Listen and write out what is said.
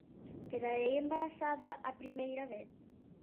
Quedarei embarazada a primeira vez?